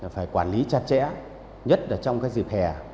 phải quản lý chặt chẽ nhất là trong các dịp hè